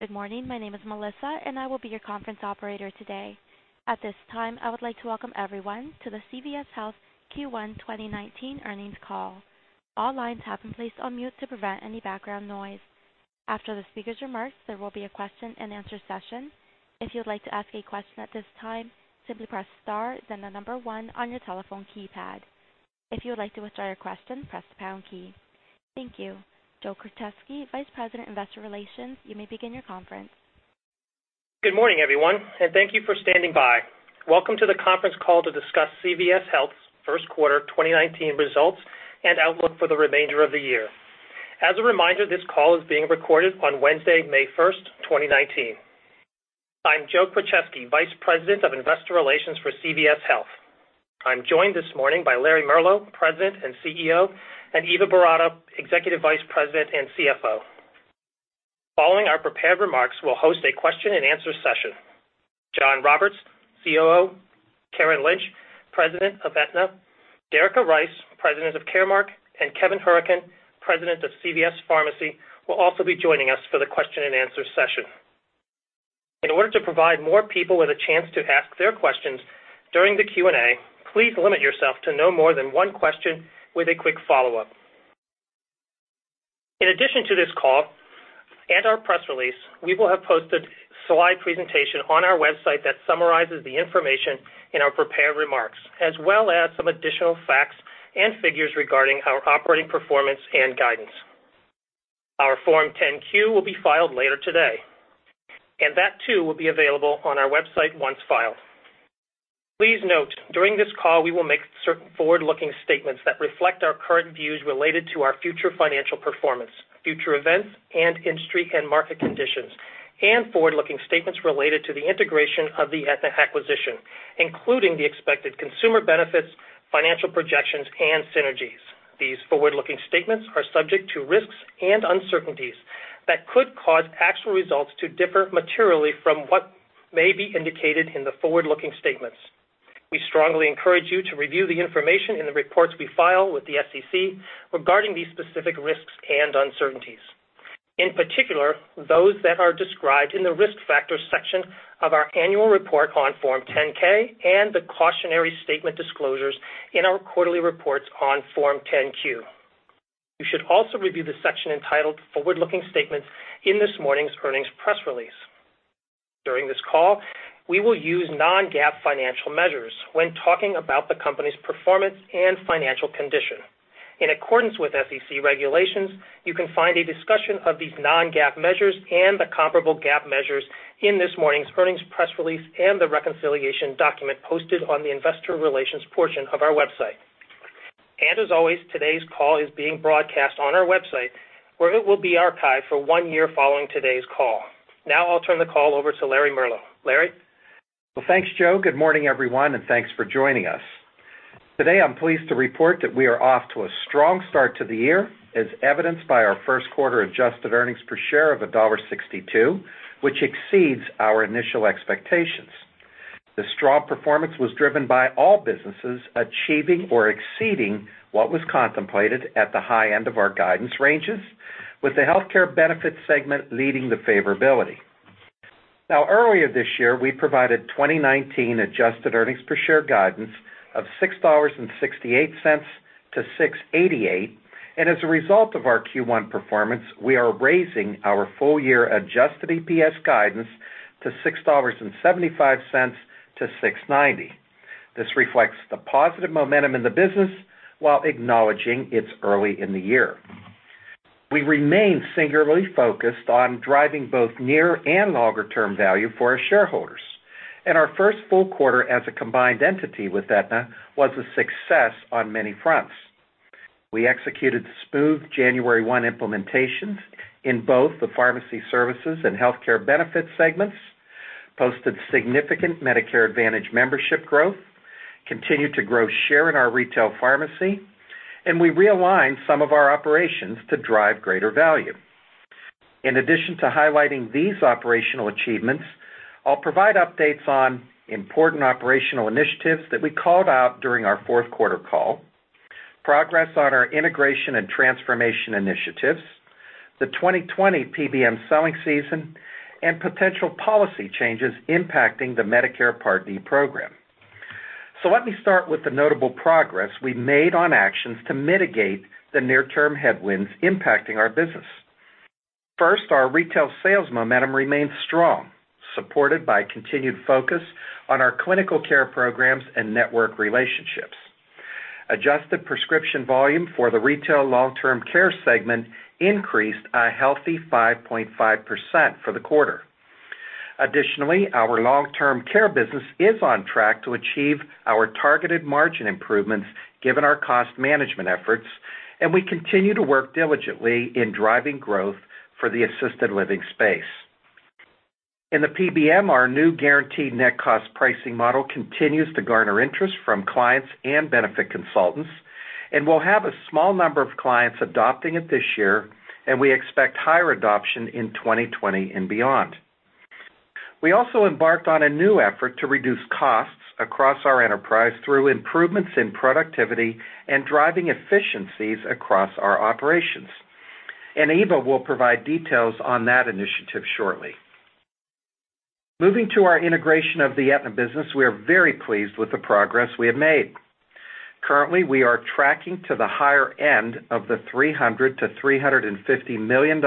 Good morning. My name is Melissa, and I will be your conference operator today. At this time, I would like to welcome everyone to the CVS Health Q1 2019 earnings call. All lines have been placed on mute to prevent any background noise. After the speakers' remarks, there will be a question and answer session. If you'd like to ask a question at this time, simply press star then the number one on your telephone keypad. If you would like to withdraw your question, press the pound key. Thank you. Joe Krizek, Vice President, Investor Relations, you may begin your conference. Good morning, everyone. Thank you for standing by. Welcome to the conference call to discuss CVS Health's Q1 2019 results and outlook for the remainder of the year. As a reminder, this call is being recorded on Wednesday, May 1st, 2019. I'm Joe Krizek, Vice President of Investor Relations for CVS Health. I'm joined this morning by Larry Merlo, President and CEO, and Eva Boratto, Executive Vice President and CFO. Following our prepared remarks, we'll host a question and answer session. Jon Roberts, COO, Karen Lynch, President of Aetna, Derica Rice, President of Caremark, and Kevin Hourican, President of CVS Pharmacy, will also be joining us for the question and answer session. In order to provide more people with a chance to ask their questions during the Q&A, please limit yourself to no more than one question with a quick follow-up. In addition to this call and our press release, we will have posted a slide presentation on our website that summarizes the information in our prepared remarks, as well as some additional facts and figures regarding our operating performance and guidance. Our Form 10-Q will be filed later today. That too will be available on our website once filed. Please note, during this call, we will make certain forward-looking statements that reflect our current views related to our future financial performance, future events, and industry and market conditions, and forward-looking statements related to the integration of the Aetna acquisition, including the expected consumer benefits, financial projections, and synergies. These forward-looking statements are subject to risks and uncertainties that could cause actual results to differ materially from what may be indicated in the forward-looking statements. We strongly encourage you to review the information in the reports we file with the SEC regarding these specific risks and uncertainties. In particular, those that are described in the Risk Factors section of our annual report on Form 10-K and the cautionary statement disclosures in our quarterly reports on Form 10-Q. You should also review the section entitled Forward-Looking Statements in this morning's earnings press release. During this call, we will use non-GAAP financial measures when talking about the company's performance and financial condition. In accordance with SEC regulations, you can find a discussion of these non-GAAP measures and the comparable GAAP measures in this morning's earnings press release and the reconciliation document posted on the investor relations portion of our website. As always, today's call is being broadcast on our website, where it will be archived for one year following today's call. I'll turn the call over to Larry Merlo. Larry? Well, thanks, Joe. Good morning, everyone, and thanks for joining us. Today, I'm pleased to report that we are off to a strong start to the year, as evidenced by our Q1adjusted earnings per share of $1.62, which exceeds our initial expectations. This strong performance was driven by all businesses achieving or exceeding what was contemplated at the high end of our guidance ranges, with the Health Care Benefits segment leading the favorability. Earlier this year, we provided 2019 adjusted earnings per share guidance of $6.68-$6.88, and as a result of our Q1 performance, we are raising our full-year adjusted EPS guidance to $6.75-$6.90. This reflects the positive momentum in the business while acknowledging it's early in the year. We remain singularly focused on driving both near and longer-term value for our shareholders, and our first full quarter as a combined entity with Aetna was a success on many fronts. We executed smooth January one implementations in both the Pharmacy Services and Health Care Benefits segments, posted significant Medicare Advantage membership growth, continued to grow share in our retail pharmacy, and we realigned some of our operations to drive greater value. In addition to highlighting these operational achievements, I'll provide updates on important operational initiatives that we called out during our Q4 call, progress on our integration and transformation initiatives, the 2020 PBM selling season, and potential policy changes impacting the Medicare Part D program. Let me start with the notable progress we made on actions to mitigate the near-term headwinds impacting our business. First, our retail sales momentum remains strong, supported by continued focus on our clinical care programs and network relationships. Adjusted prescription volume for the Retail/Long-Term Care segment increased a healthy 5.5% for the quarter. Additionally, our long-term care business is on track to achieve our targeted margin improvements given our cost management efforts, and we continue to work diligently in driving growth for the assisted living space. In the PBM, our new guaranteed net cost pricing model continues to garner interest from clients and benefit consultants, and we'll have a small number of clients adopting it this year, and we expect higher adoption in 2020 and beyond. We also embarked on a new effort to reduce costs across our enterprise through improvements in productivity and driving efficiencies across our operations. Eva will provide details on that initiative shortly. Moving to our integration of the Aetna business, we are very pleased with the progress we have made. Currently, we are tracking to the higher end of the $300 million-$350 million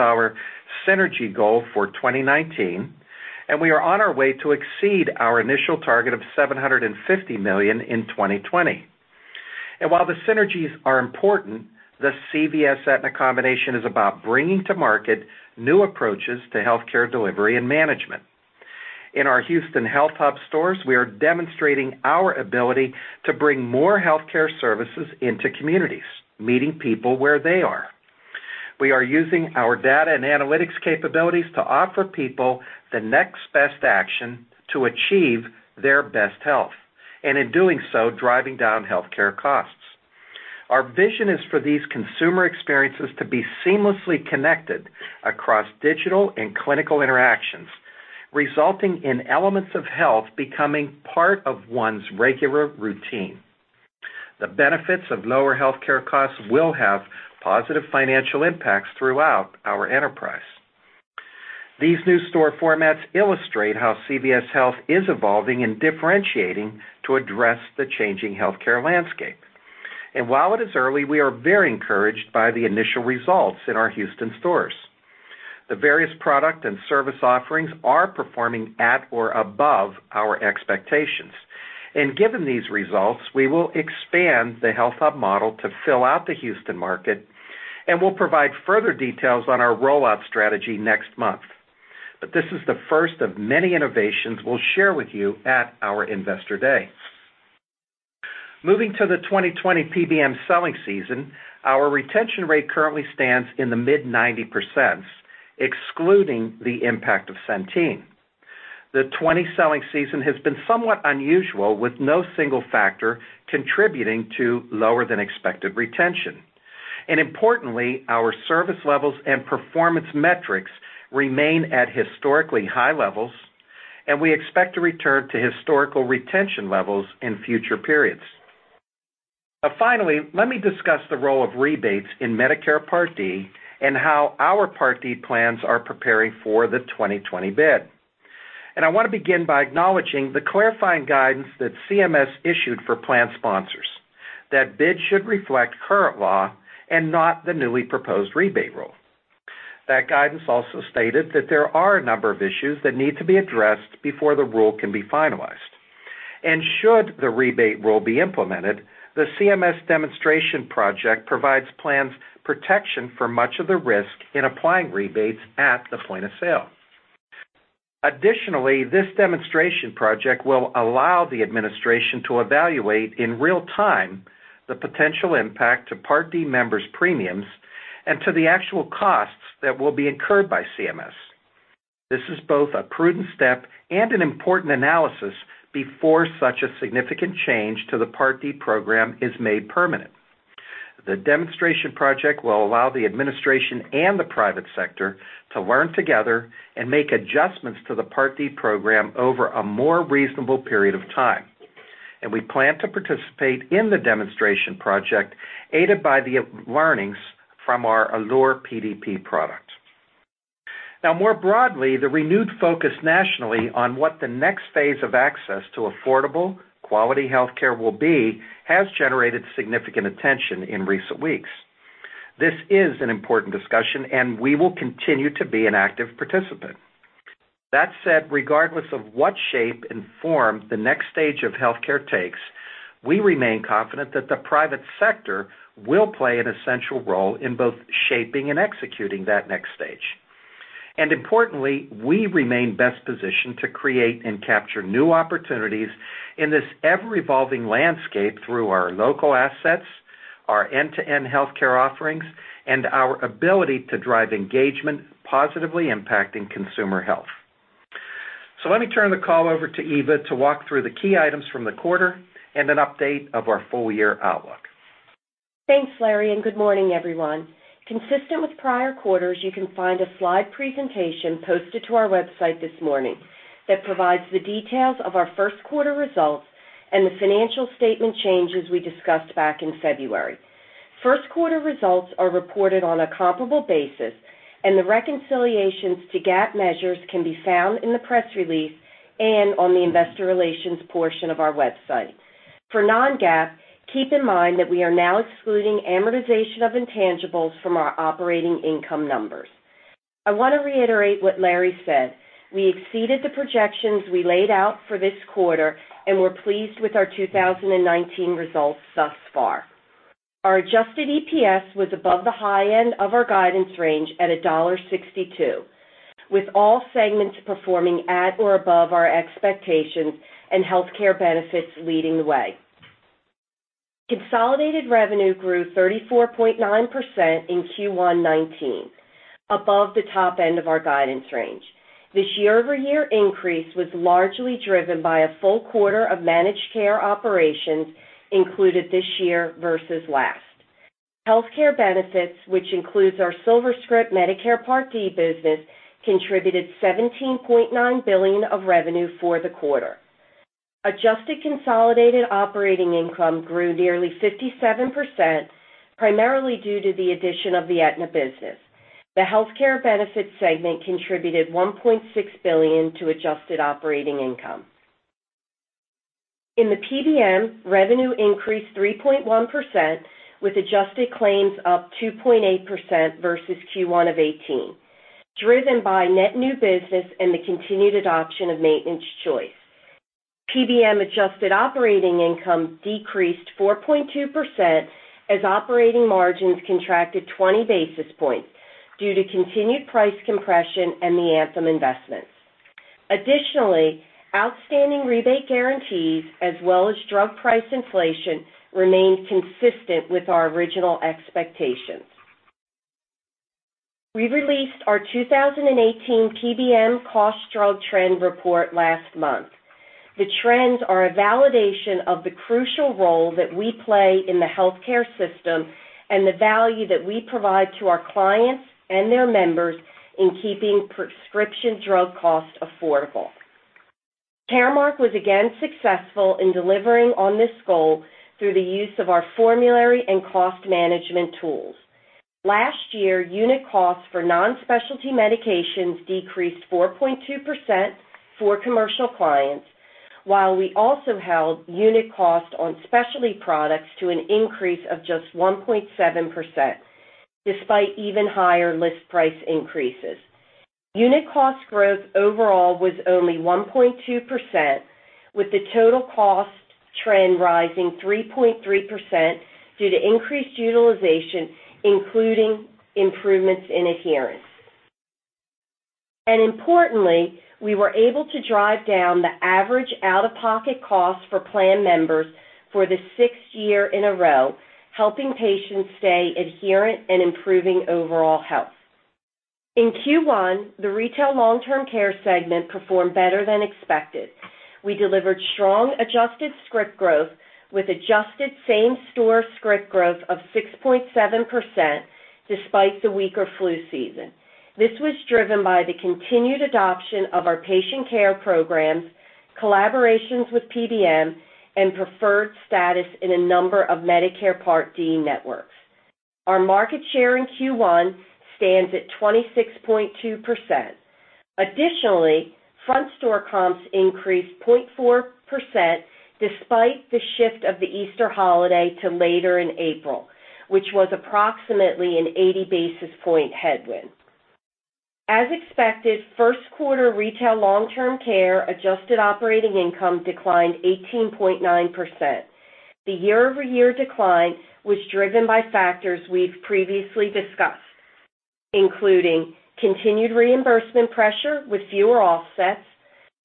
synergy goal for 2019, we are on our way to exceed our initial target of $750 million in 2020. While the synergies are important, the CVS-Aetna combination is about bringing to market new approaches to healthcare delivery and management. In our Houston HealthHUB stores, we are demonstrating our ability to bring more healthcare services into communities, meeting people where they are. We are using our data and analytics capabilities to offer people the next best action to achieve their best health, and in doing so, driving down healthcare costs. Our vision is for these consumer experiences to be seamlessly connected across digital and clinical interactions, resulting in elements of health becoming part of one's regular routine. The benefits of lower healthcare costs will have positive financial impacts throughout our enterprise. These new store formats illustrate how CVS Health is evolving and differentiating to address the changing healthcare landscape. While it is early, we are very encouraged by the initial results in our Houston stores. The various product and service offerings are performing at or above our expectations. Given these results, we will expand the HealthHUB model to fill out the Houston market, and we'll provide further details on our rollout strategy next month. This is the first of many innovations we'll share with you at our Investor Day. Moving to the 2020 PBM selling season, our retention rate currently stands in the mid 90%, excluding the impact of Centene. The 2020 selling season has been somewhat unusual, with no single factor contributing to lower than expected retention. Importantly, our service levels and performance metrics remain at historically high levels, and we expect to return to historical retention levels in future periods. Finally, let me discuss the role of rebates in Medicare Part D and how our Part D plans are preparing for the 2020 bid. I want to begin by acknowledging the clarifying guidance that CMS issued for plan sponsors, that bids should reflect current law and not the newly proposed rebate rule. That guidance also stated that there are a number of issues that need to be addressed before the rule can be finalized. Should the rebate rule be implemented, the CMS demonstration project provides plans protection for much of the risk in applying rebates at the point of sale. Additionally, this demonstration project will allow the administration to evaluate in real time the potential impact to Part D members' premiums and to the actual costs that will be incurred by CMS. This is both a prudent step and an important analysis before such a significant change to the Part D program is made permanent. The demonstration project will allow the administration and the private sector to learn together and make adjustments to the Part D program over a more reasonable period of time. We plan to participate in the demonstration project, aided by the learnings from our Allure PDP product. More broadly, the renewed focus nationally on what the next phase of access to affordable, quality healthcare will be has generated significant attention in recent weeks. This is an important discussion, and we will continue to be an active participant. That said, regardless of what shape and form the next stage of healthcare takes, we remain confident that the private sector will play an essential role in both shaping and executing that next stage. Importantly, we remain best positioned to create and capture new opportunities in this ever-evolving landscape through our local assets, our end-to-end healthcare offerings, and our ability to drive engagement, positively impacting consumer health. Let me turn the call over to Eva to walk through the key items from the quarter and an update of our full-year outlook. Thanks, Larry, and good morning, everyone. Consistent with prior quarters, you can find a slide presentation posted to our website this morning that provides the details of our Q1 results and the financial statement changes we discussed back in February. Q1 results are reported on a comparable basis, and the reconciliations to GAAP measures can be found in the press release and on the investor relations portion of our website. For non-GAAP, keep in mind that we are now excluding amortization of intangibles from our operating income numbers. I want to reiterate what Larry said. We exceeded the projections we laid out for this quarter and we're pleased with our 2019 results thus far. Our adjusted EPS was above the high end of our guidance range at $1.62, with all segments performing at or above our expectations, Health Care Benefits leading the way. Consolidated revenue grew 34.9% in Q1 2019, above the top end of our guidance range. This year-over-year increase was largely driven by a full quarter of managed care operations included this year versus last. Health Care Benefits, which includes our SilverScript Medicare Part D business, contributed $17.9 billion of revenue for the quarter. Adjusted consolidated operating income grew nearly 57%, primarily due to the addition of the Aetna business. The Health Care Benefits segment contributed $1.6 billion to adjusted operating income. In the PBM, revenue increased 3.1%, with adjusted claims up 2.8% versus Q1 of 2018, driven by net new business and the continued adoption of Maintenance Choice. PBM adjusted operating income decreased 4.2% as operating margins contracted 20 basis points due to continued price compression and the Anthem investments. Additionally, outstanding rebate guarantees, as well as drug price inflation, remained consistent with our original expectations. We released our 2018 PBM Drug Trend Report last month. The trends are a validation of the crucial role that we play in the healthcare system and the value that we provide to our clients and their members in keeping prescription drug costs affordable. Caremark was again successful in delivering on this goal through the use of our formulary and cost management tools. Last year, unit costs for non-specialty medications decreased 4.2% for commercial clients, while we also held unit cost on specialty products to an increase of just 1.7%, despite even higher list price increases. Unit cost growth overall was only 1.2%, with the total cost trend rising 3.3% due to increased utilization, including improvements in adherence. Importantly, we were able to drive down the average out-of-pocket cost for plan members for the sixth year in a row, helping patients stay adherent and improving overall health. In Q1, the Retail/LTC segment performed better than expected. We delivered strong adjusted script growth with adjusted same-store script growth of 6.7%, despite the weaker flu season. This was driven by the continued adoption of our patient care programs, collaborations with PBM, and preferred status in a number of Medicare Part D networks. Our market share in Q1 stands at 26.2%. Additionally, front store comps increased 0.4% despite the shift of the Easter holiday to later in April, which was approximately an 80 basis point headwind. As expected, Q1 Retail/LTC adjusted operating income declined 18.9%. The year-over-year decline was driven by factors we've previously discussed, including continued reimbursement pressure with fewer offsets,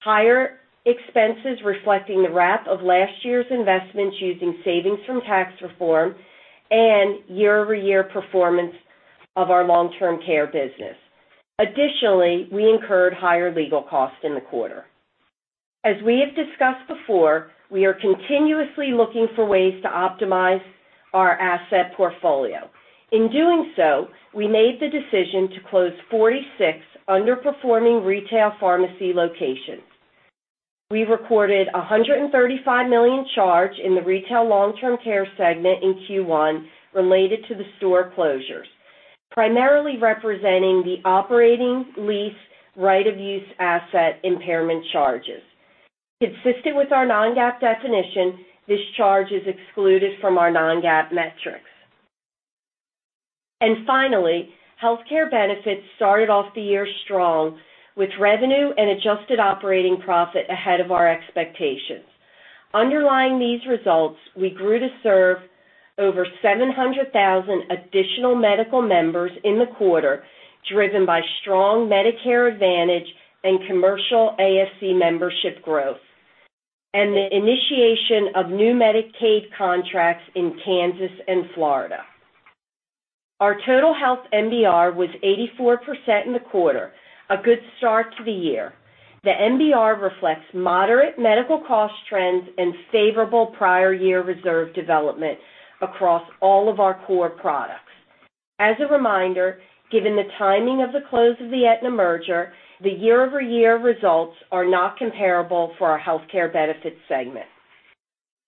higher expenses reflecting the wrap of last year's investments using savings from tax reform, and year-over-year performance of our long-term care business. Additionally, we incurred higher legal costs in the quarter. As we have discussed before, we are continuously looking for ways to optimize our asset portfolio. In doing so, we made the decision to close 46 underperforming retail pharmacy locations. We recorded a $135 million charge in the Retail/LTC segment in Q1 related to the store closures, primarily representing the operating lease right of use asset impairment charges. Consistent with our non-GAAP definition, this charge is excluded from our non-GAAP metrics. Finally, Health Care Benefits started off the year strong with revenue and adjusted operating profit ahead of our expectations. Underlying these results, we grew to serve over 700,000 additional medical members in the quarter, driven by strong Medicare Advantage and commercial ASC membership growth, and the initiation of new Medicaid contracts in Kansas and Florida. Our total health MBR was 84% in the quarter, a good start to the year. The MBR reflects moderate medical cost trends and favorable prior year reserve development across all of our core products. As a reminder, given the timing of the close of the Aetna merger, the year-over-year results are not comparable for our Health Care Benefits segment.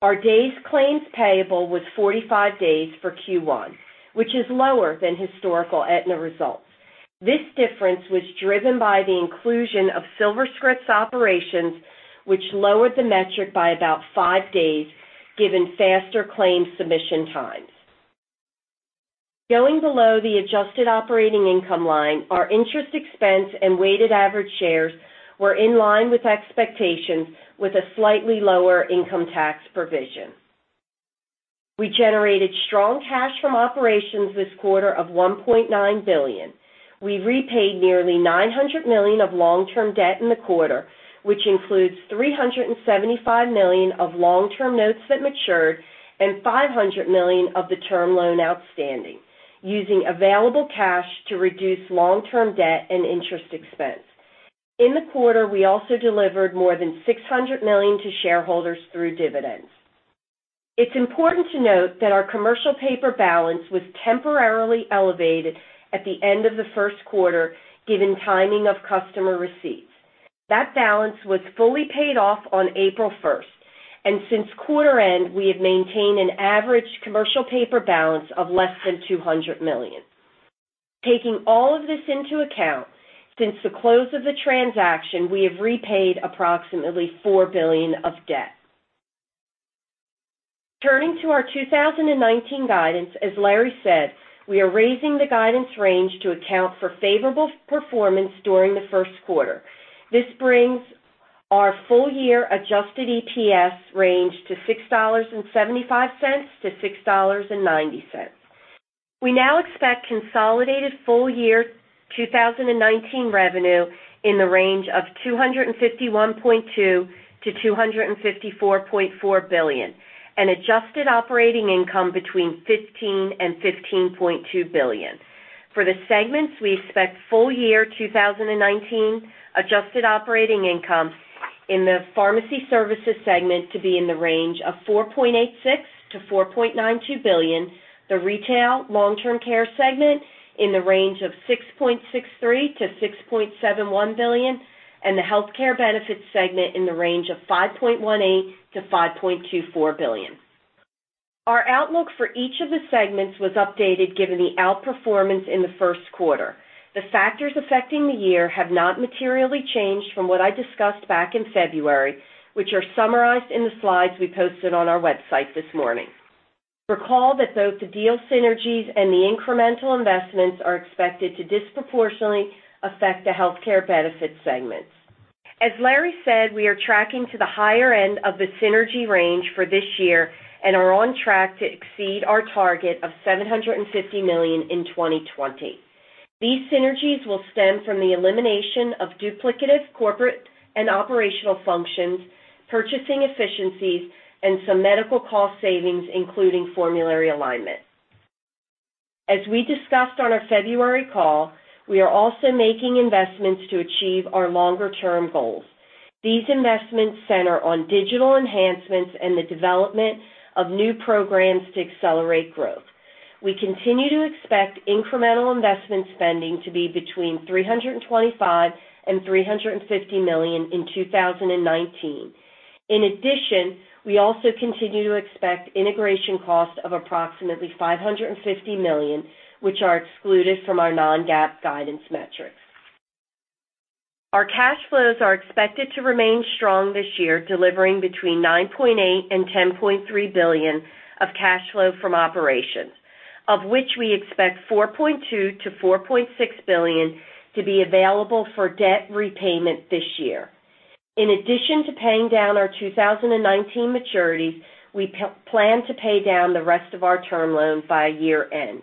Our days claims payable was 45 days for Q1, which is lower than historical Aetna results. This difference was driven by the inclusion of SilverScript's operations, which lowered the metric by about five days given faster claims submission times. Going below the adjusted operating income line, our interest expense and weighted average shares were in line with expectations with a slightly lower income tax provision. We generated strong cash from operations this quarter of $1.9 billion. We repaid nearly $900 million of long-term debt in the quarter, which includes $375 million of long-term notes that matured and $500 million of the term loan outstanding, using available cash to reduce long-term debt and interest expense. In the quarter, we also delivered more than $600 million to shareholders through dividends. It's important to note that our commercial paper balance was temporarily elevated at the end of the Q1, given timing of customer receipts. That balance was fully paid off on April 1st, and since quarter end, we have maintained an average commercial paper balance of less than $200 million. Taking all of this into account, since the close of the transaction, we have repaid approximately $4 billion of debt. Turning to our 2019 guidance, as Larry said, we are raising the guidance range to account for favorable performance during the Q1. This brings our full year adjusted EPS range to $6.75-$6.90. We now expect consolidated full year 2019 revenue in the range of $251.2 billion-$254.4 billion, and adjusted operating income between $15 billion and $15.2 billion. For the segments, we expect full year 2019 adjusted operating income in the Pharmacy Services segment to be in the range of $4.86 billion-$4.92 billion, the Retail Long Term Care segment in the range of $6.63 billion-$6.71 billion, and the Health Care Benefits segment in the range of $5.18 billion-$5.24 billion. Our outlook for each of the segments was updated given the outperformance in the Q1. The factors affecting the year have not materially changed from what I discussed back in February, which are summarized in the slides we posted on our website this morning. Recall that both the deal synergies and the incremental investments are expected to disproportionately affect the Health Care Benefits segments. As Larry said, we are tracking to the higher end of the synergy range for this year and are on track to exceed our target of $750 million in 2020. These synergies will stem from the elimination of duplicative corporate and operational functions, purchasing efficiencies, and some medical cost savings, including formulary alignment. As we discussed on our February call, we are also making investments to achieve our longer-term goals. These investments center on digital enhancements and the development of new programs to accelerate growth. We continue to expect incremental investment spending to be between $325 million and $350 million in 2019. In addition, we also continue to expect integration costs of approximately $550 million, which are excluded from our non-GAAP guidance metrics. Our cash flows are expected to remain strong this year, delivering between $9.8 billion and $10.3 billion of cash flow from operations, of which we expect $4.2 billion-$4.6 billion to be available for debt repayment this year. In addition to paying down our 2019 maturities, we plan to pay down the rest of our term loan by year-end.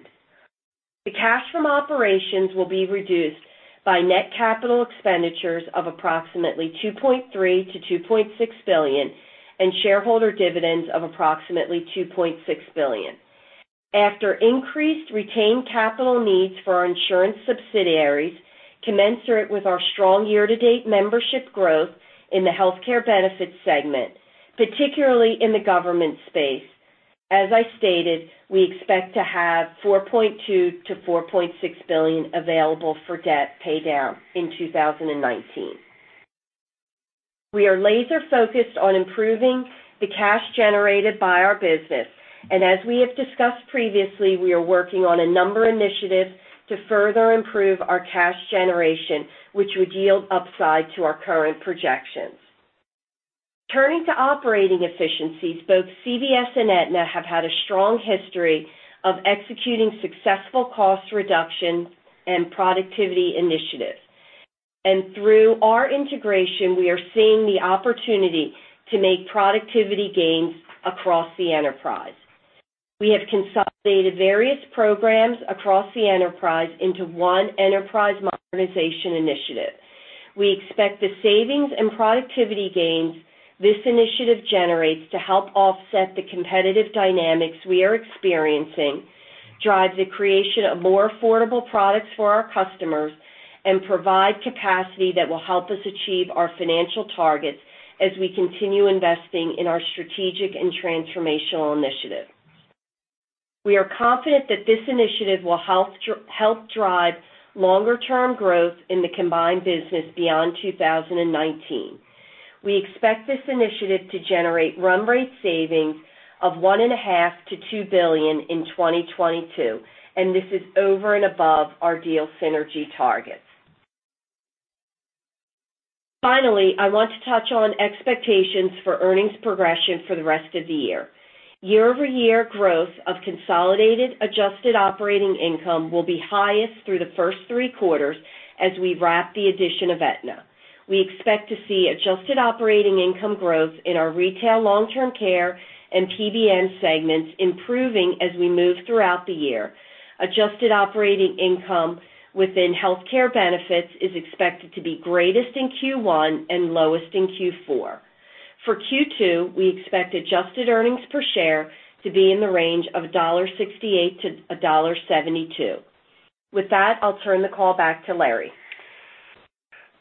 The cash from operations will be reduced by net capital expenditures of approximately $2.3 billion-$2.6 billion and shareholder dividends of approximately $2.6 billion. After increased retained capital needs for our insurance subsidiaries, commensurate with our strong year-to-date membership growth in the Health Care Benefits segment, particularly in the government space. As I stated, we expect to have $4.2 billion-$4.6 billion available for debt paydown in 2019. We are laser-focused on improving the cash generated by our business. As we have discussed previously, we are working on a number of initiatives to further improve our cash generation, which would yield upside to our current projections. Turning to operating efficiencies, both CVS and Aetna have had a strong history of executing successful cost reduction and productivity initiatives. Through our integration, we are seeing the opportunity to make productivity gains across the enterprise. We have consolidated various programs across the enterprise into one Enterprise Modernization Initiative. We expect the savings and productivity gains this initiative generates to help offset the competitive dynamics we are experiencing, drive the creation of more affordable products for our customers, and provide capacity that will help us achieve our financial targets as we continue investing in our strategic and transformational initiatives. We are confident that this initiative will help drive longer-term growth in the combined business beyond 2019. We expect this initiative to generate run rate savings of $1.5 billion-$2 billion in 2022. This is over and above our deal synergy targets. Finally, I want to touch on expectations for earnings progression for the rest of the year. Year-over-year growth of consolidated adjusted operating income will be highest through the first Q3 as we wrap the addition of Aetna. We expect to see adjusted operating income growth in our Retail/LTC and PBM segments improving as we move throughout the year. Adjusted operating income within Health Care Benefits is expected to be greatest in Q1 and lowest in Q4. For Q2, we expect adjusted earnings per share to be in the range of $1.68-$1.72. With that, I'll turn the call back to Larry.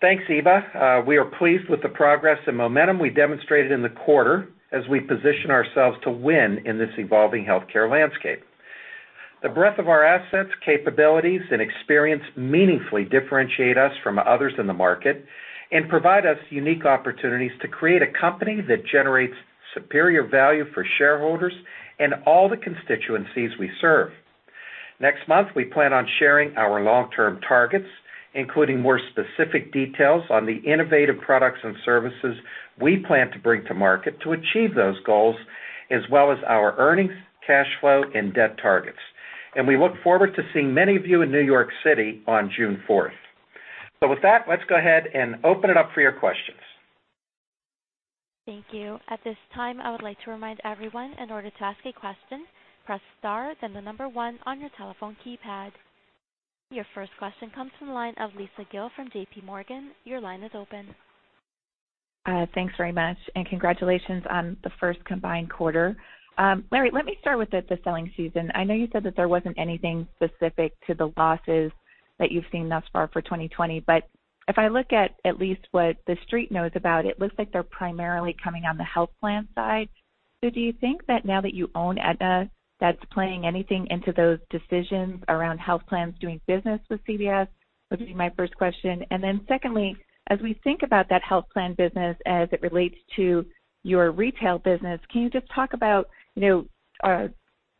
Thanks, Eva. We are pleased with the progress and momentum we demonstrated in the quarter as we position ourselves to win in this evolving healthcare landscape. The breadth of our assets, capabilities, and experience meaningfully differentiate us from others in the market and provide us unique opportunities to create a company that generates superior value for shareholders and all the constituencies we serve. Next month, we plan on sharing our long-term targets, including more specific details on the innovative products and services we plan to bring to market to achieve those goals, as well as our earnings, cash flow, and debt targets. We look forward to seeing many of you in New York City on June 4th. With that, let's go ahead and open it up for your questions. Thank you. At this time, I would like to remind everyone, in order to ask a question, press star, then the number one on your telephone keypad. Your first question comes from the line of Lisa Gill from JPMorgan. Your line is open. Thanks very much, and congratulations on the first combined quarter. Larry, let me start with the selling season. I know you said that there wasn't anything specific to the losses that you've seen thus far for 2020, but if I look at at least what the Street knows about, it looks like they're primarily coming on the health plan side. Do you think that now that you own Aetna, that's playing anything into those decisions around health plans doing business with CVS? Would be my first question. Then secondly, as we think about that health plan business as it relates to your retail business, can you just talk about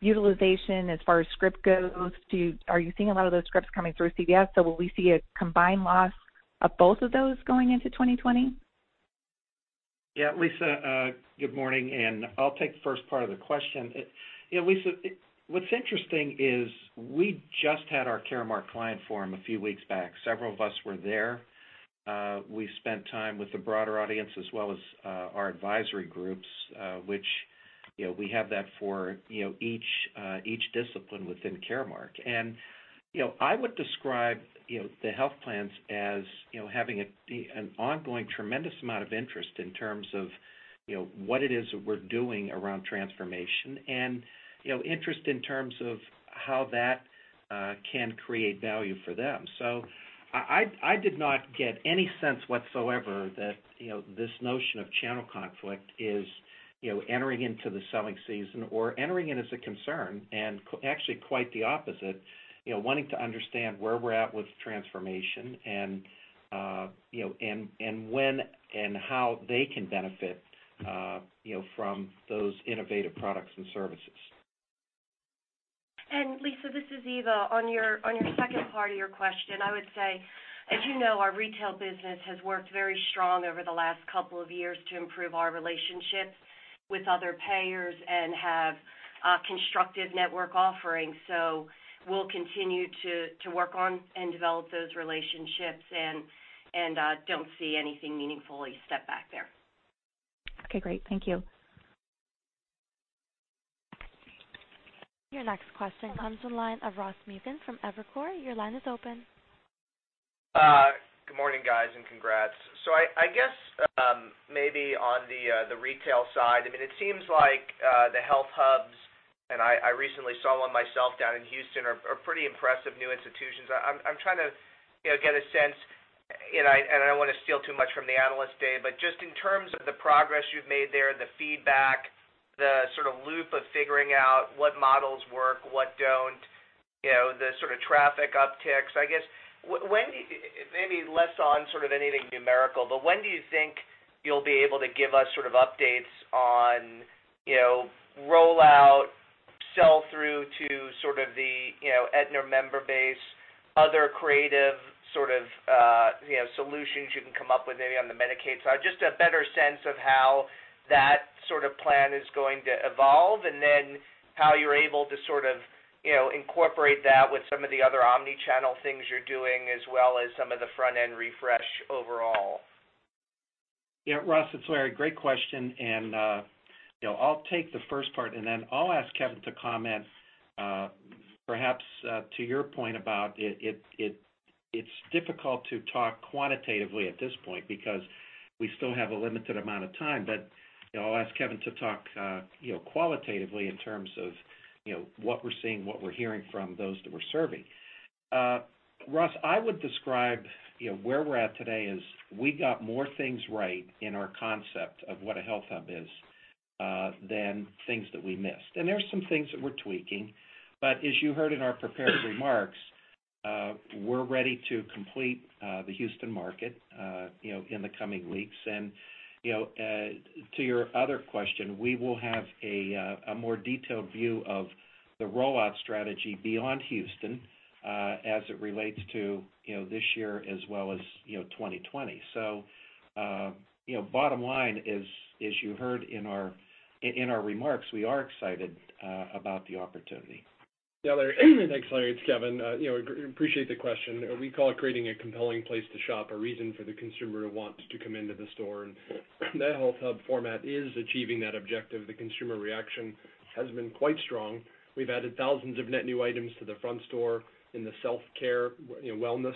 utilization as far as script goes? Are you seeing a lot of those scripts coming through CVS? Will we see a combined loss of both of those going into 2020? Yeah, Lisa, good morning. I'll take the first part of the question. Lisa, what's interesting is we just had our Caremark client forum a few weeks back. Several of us were there. We spent time with the broader audience as well as our advisory groups, which we have that for each discipline within Caremark. I would describe the health plans as having an ongoing tremendous amount of interest in terms of what it is that we're doing around transformation and interest in terms of how that can create value for them. I did not get any sense whatsoever that this notion of channel conflict is entering into the selling season or entering in as a concern and actually quite the opposite, wanting to understand where we're at with transformation and when and how they can benefit from those innovative products and services. Lisa, this is Eva. On your second part of your question, I would say, as you know, our retail business has worked very strong over the last couple of years to improve our relationships with other payers and have constructive network offerings. We'll continue to work on and develop those relationships and don't see anything meaningfully step back there. Okay, great. Thank you. Your next question comes from the line of Ross Muken from Evercore. Your line is open. Good morning, guys, and congrats. I guess maybe on the retail side, it seems like the HealthHUBs, and I recently saw one myself down in Houston, are pretty impressive new institutions. I'm trying to get a sense, and I don't want to steal too much from the Analyst Day, but just in terms of the progress you've made there, the feedback, the sort of loop of figuring out what models work, what don't, the sort of traffic upticks. When do you think you'll be able to give us updates on rollout, sell-through to sort of the Aetna member base, other creative sort of solutions you can come up with maybe on the Medicaid side, just a better sense of how that sort of plan is going to evolve, and then how you're able to sort of incorporate that with some of the other omni-channel things you're doing, as well as some of the front-end refresh overall. Ross, it's Larry. Great question, I'll take the first part, and then I'll ask Kevin to comment, perhaps, to your point about, it's difficult to talk quantitatively at this point because we still have a limited amount of time. I'll ask Kevin to talk qualitatively in terms of what we're seeing, what we're hearing from those that we're serving. Ross, I would describe where we're at today as we got more things right in our concept of what a HealthHUB is, than things that we missed. There's some things that we're tweaking, but as you heard in our prepared remarks, we're ready to complete the Houston market in the coming weeks. To your other question, we will have a more detailed view of the rollout strategy beyond Houston, as it relates to this year as well as 2020. Bottom line is, as you heard in our remarks, we are excited about the opportunity. Yeah, Larry. Thanks, Larry. It's Kevin. Appreciate the question. We call it creating a compelling place to shop, a reason for the consumer to want to come into the store. That whole hub format is achieving that objective. The consumer reaction has been quite strong. We've added thousands of net new items to the front store in the self-care, wellness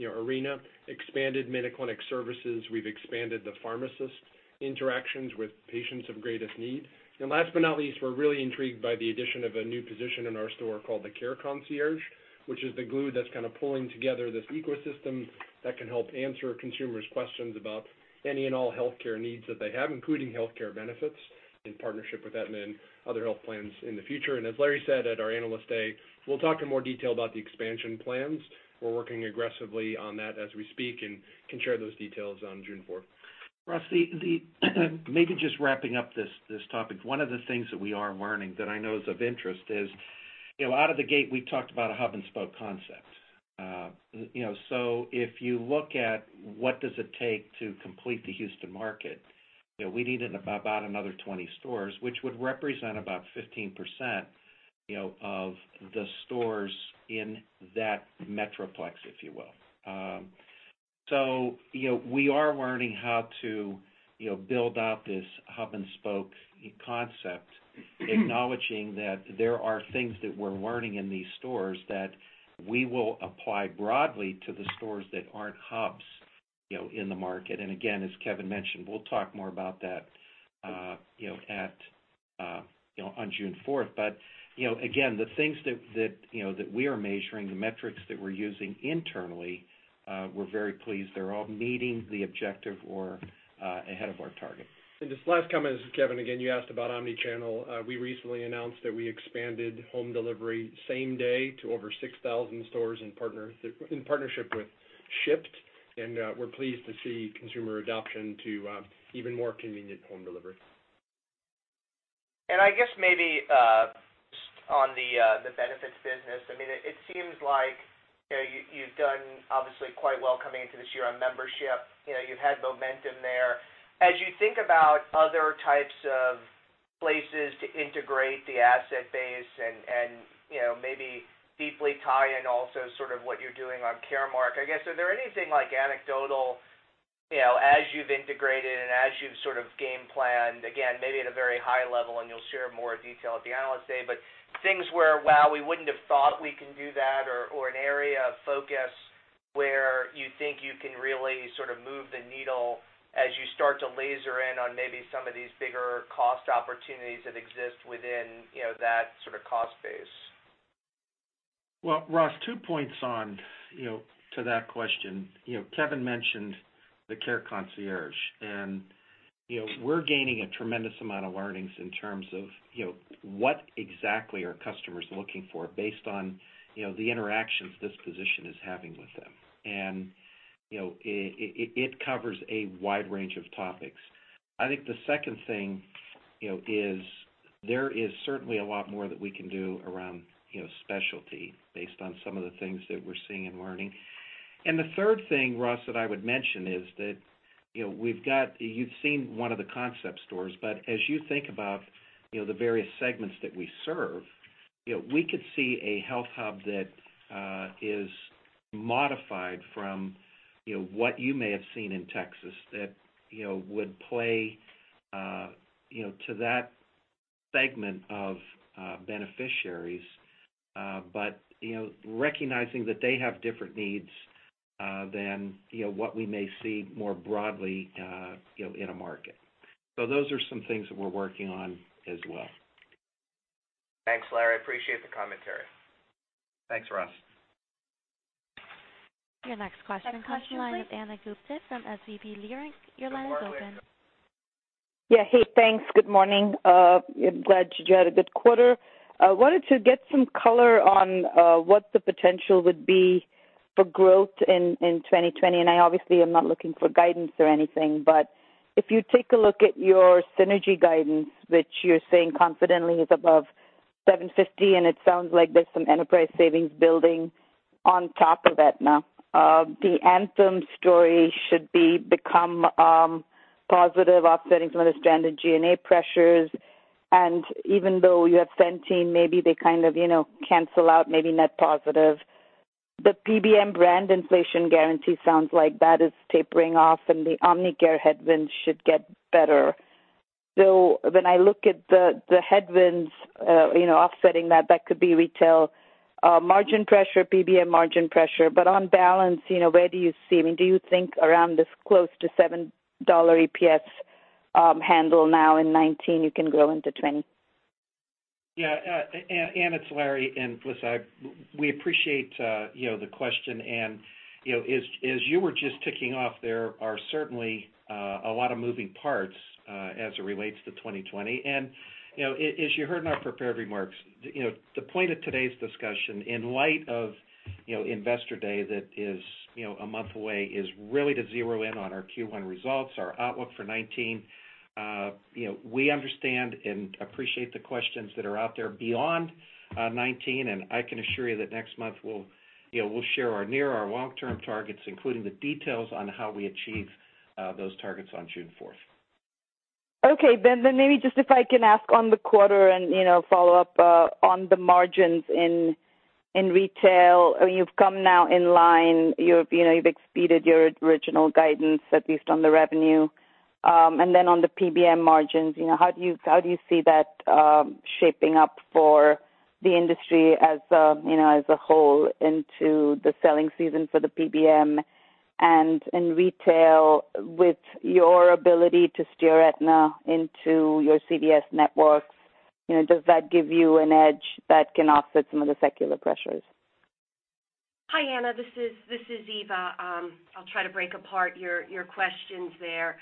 arena, expanded MinuteClinic services. We've expanded the pharmacist interactions with patients of greatest need. Last but not least, we're really intrigued by the addition of a new position in our store called the Care Concierge, which is the glue that's kind of pulling together this ecosystem that can help answer consumers' questions about any and all healthcare needs that they have, including Health Care Benefits, in partnership with Aetna and other health plans in the future. As Larry said at our Analyst Day, we'll talk in more detail about the expansion plans. We're working aggressively on that as we speak and can share those details on June 4th. Ross, maybe just wrapping up this topic. One of the things that we are learning that I know is of interest is, out of the gate, we talked about a hub-and-spoke concept. If you look at what does it take to complete the Houston market, we need about another 20 stores, which would represent about 15% of the stores in that metroplex, if you will. We are learning how to build out this hub-and-spoke concept, acknowledging that there are things that we're learning in these stores that we will apply broadly to the stores that aren't hubs in the market. Again, as Kevin mentioned, we'll talk more about that on June 4th. Again, the things that we are measuring, the metrics that we're using internally, we're very pleased. They're all meeting the objective or ahead of our target. Just last comment, this is Kevin again. You asked about omni-channel. We recently announced that we expanded home delivery same day to over 6,000 stores in partnership with Shipt. We're pleased to see consumer adoption to even more convenient home delivery. I guess maybe on the benefits business, it seems like you've done obviously quite well coming into this year on membership. You've had momentum there. As you think about other types of places to integrate the asset base and maybe deeply tie in also sort of what you're doing on Caremark, I guess, are there anything like anecdotal, as you've integrated and as you've sort of game planned, again, maybe at a very high level, and you'll share more detail at the Analyst Day, but things where, "Wow, we wouldn't have thought we can do that," or an area of focus where you think you can really sort of move the needle as you start to laser in on maybe some of these bigger cost opportunities that exist within that sort of cost base? Well, Ross, two points on to that question. Kevin mentioned the Care Concierge, we're gaining a tremendous amount of learnings in terms of what exactly are customers looking for based on the interactions this position is having with them. It covers a wide range of topics. I think the second thing is there is certainly a lot more that we can do around specialty based on some of the things that we're seeing and learning. The third thing, Ross, that I would mention is that you've seen one of the concept stores, but as you think about the various segments that we serve, we could see a HealthHUB that is modified from what you may have seen in Texas that would play to that segment of beneficiaries. Recognizing that they have different needs than what we may see more broadly in a market. Those are some things that we're working on as well. Thanks, Larry. Appreciate the commentary. Thanks, Ross. Your next question comes from the line of Ana Gupte from SVB Leerink. Your line is open. Yeah. Hey, thanks. Good morning. I'm glad you had a good quarter. Wanted to get some color on what the potential would be for growth in 2020. I obviously am not looking for guidance or anything, but if you take a look at your synergy guidance, which you're saying confidently is above $750, it sounds like there's some enterprise savings building on top of Aetna. The Anthem story should become positive, offsetting some of the stranded G&A pressures. Even though you have Centene, maybe they kind of cancel out, maybe net positive. The PBM brand inflation guarantee sounds like that is tapering off, the Omnicare headwinds should get better. When I look at the headwinds offsetting that could be retail margin pressure, PBM margin pressure. On balance, I mean, do you think around this close to $7 EPS handle now in 2019, you can grow into 2020? Yeah. Ana, it's Larry. Listen, we appreciate the question. As you were just ticking off, there are certainly a lot of moving parts, as it relates to 2020. As you heard in our prepared remarks, the point of today's discussion in light of Investor Day that is a month away is really to zero in on our Q1 results, our outlook for 2019. We understand and appreciate the questions that are out there beyond 2019, and I can assure you that next month, we'll share our near, our long-term targets, including the details on how we achieve those targets on June 4th. Okay. Maybe just if I can ask on the quarter and follow up on the margins in retail. You've come now in line. You've exceeded your original guidance, at least on the revenue. On the PBM margins, how do you see that shaping up for the industry as a whole into the selling season for the PBM and in retail with your ability to steer Aetna into your CVS networks? Does that give you an edge that can offset some of the secular pressures? Hi, Ana, this is Eva. I'll try to break apart your questions there.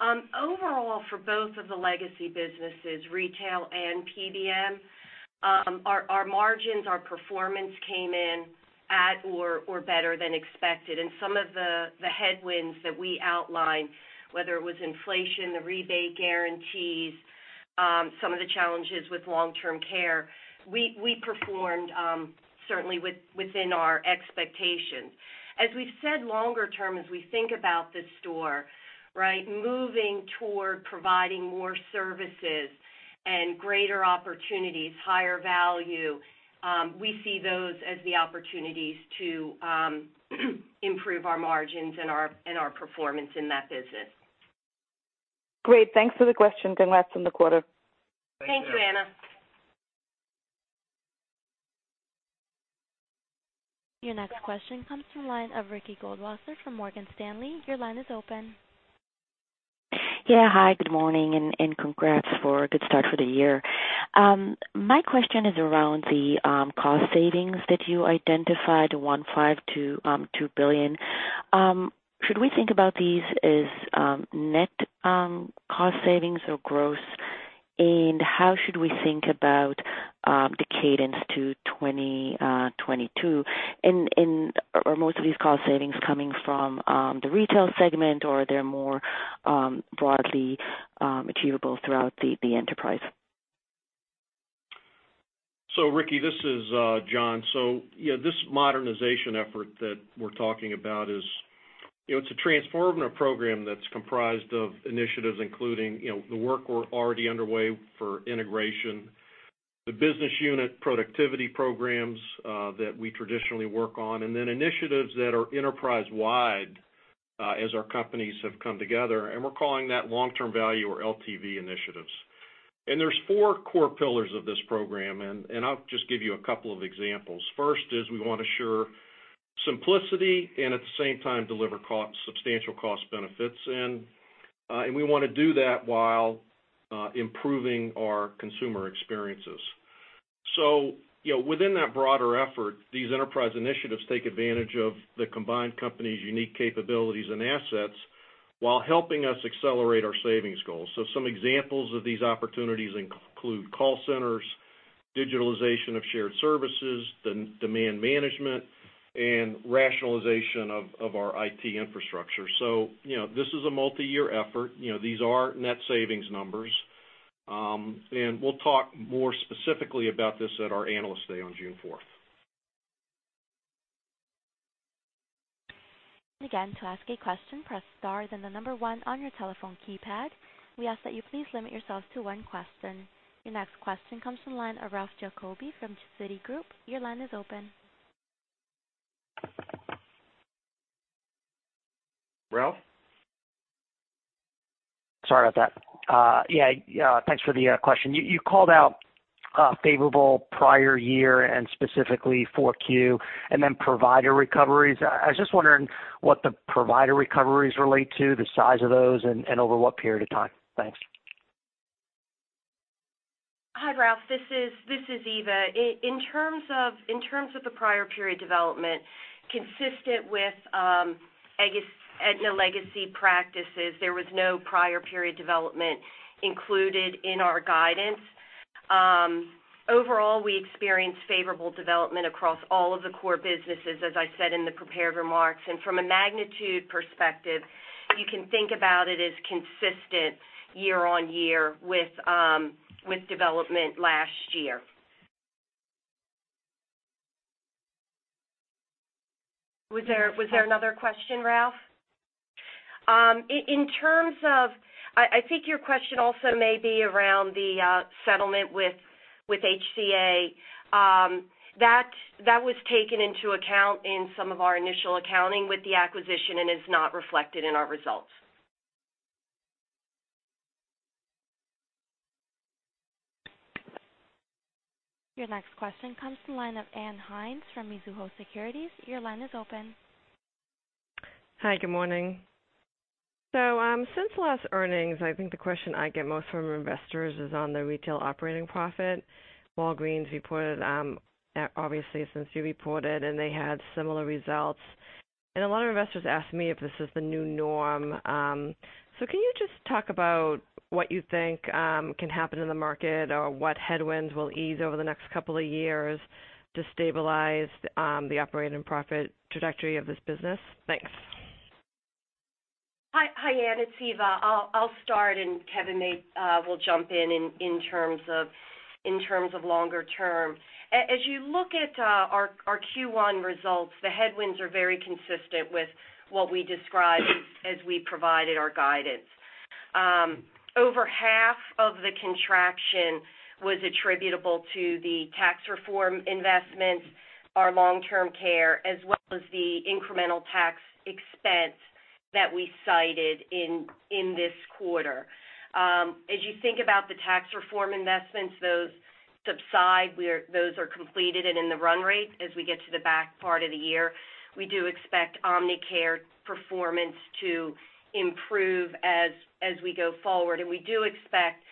Overall, for both of the legacy businesses, retail and PBM, our margins, our performance came in at or better than expected. Some of the headwinds that we outlined, whether it was inflation, the rebate guarantees, some of the challenges with long-term care, we performed certainly within our expectations. As we've said longer term, as we think about this store, moving toward providing more services and greater opportunities, higher value, we see those as the opportunities to improve our margins and our performance in that business. Great. Thanks for the question. Congrats on the quarter. Thank you, Ana. Your next question comes from the line of Ricky Goldwasser from Morgan Stanley. Your line is open. Yeah. Hi, good morning, and congrats for a good start for the year. My question is around the cost savings that you identified, the $1.5 billion-$2 billion. Should we think about these as net cost savings or gross, and how should we think about the cadence to 2022? Are most of these cost savings coming from the retail segment, or are there more broadly achievable throughout the enterprise? Ricky, this is Jon. Yeah, this modernization effort that we're talking about is, it's a transformative program that's comprised of initiatives, including the work we're already underway for integration, the business unit productivity programs that we traditionally work on, and then initiatives that are enterprise-wide as our companies have come together, and we're calling that long-term value or LTV initiatives. There's four core pillars of this program, and I'll just give you a couple of examples. First is we want to assure simplicity and at the same time deliver substantial cost benefits, and we want to do that while improving our consumer experiences. Within that broader effort, these enterprise initiatives take advantage of the combined company's unique capabilities and assets while helping us accelerate our savings goals. Some examples of these opportunities include call centers, digitalization of shared services, demand management, and rationalization of our IT infrastructure. This is a multi-year effort. These are net savings numbers. We'll talk more specifically about this at our Analyst Day on June 4th. Again, to ask a question, press star, then the number one on your telephone keypad. We ask that you please limit yourselves to one question. Your next question comes from the line of Ralph Giacobbe from Citigroup. Your line is open. Ralph? Sorry about that. Yeah. Thanks for the question. You called out favorable prior year and specifically Q4 and then provider recoveries. I was just wondering what the provider recoveries relate to, the size of those, and over what period of time. Thanks. Hi, Ralph, this is Eva. In terms of the prior period development, consistent with Aetna legacy practices, there was no prior period development included in our guidance. Overall, we experienced favorable development across all of the core businesses, as I said in the prepared remarks. From a magnitude perspective, you can think about it as consistent year-on-year with development last year. Was there another question, Ralph? I think your question also may be around the settlement with HCA. That was taken into account in some of our initial accounting with the acquisition and is not reflected in our results. Your next question comes from the line of Ann Hynes from Mizuho Securities. Your line is open. Hi, good morning. Since last earnings, I think the question I get most from investors is on the retail operating profit. Walgreens reported, obviously since you reported, and they had similar results. A lot of investors ask me if this is the new norm. Can you just talk about what you think can happen in the market, or what headwinds will ease over the next couple of years to stabilize the operating profit trajectory of this business? Thanks. Hi, Ann, it's Eva. I'll start, and Kevin may well jump in terms of longer term. As you look at our Q1 results, the headwinds are very consistent with what we described as we provided our guidance. Over half of the contraction was attributable to the tax reform investments, our long-term care, as well as the incremental tax expense that we cited in this quarter. As you think about the tax reform investments, those subside, those are completed and in the run rate as we get to the back part of the year. We do expect Omnicare performance to improve as we go forward. We do expect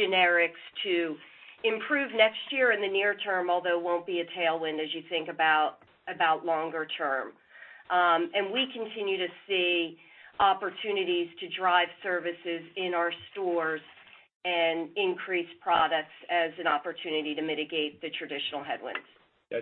generics to improve next year in the near term, although it won't be a tailwind as you think about longer term. We continue to see opportunities to drive services in our stores and increase products as an opportunity to mitigate the traditional headwinds.